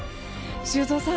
修造さん